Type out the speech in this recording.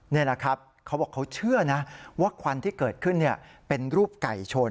เขาบอกเขาเชื่อนะว่าควันที่เกิดขึ้นเป็นรูปไก่ชน